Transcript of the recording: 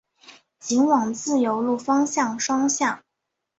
仅往自由路方向双向